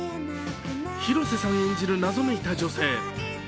広瀬さん演じる謎めいた女性。